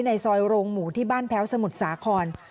ในซอยโรงหมูที่บ้านแพ้วสมุทรสาคร